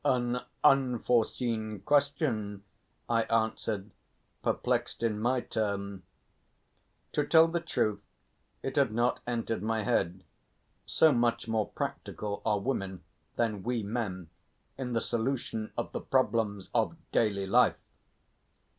"An unforeseen question," I answered, perplexed in my turn. To tell the truth, it had not entered my head, so much more practical are women than we men in the solution of the problems of daily life!